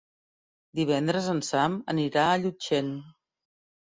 Divendres en Sam anirà a Llutxent.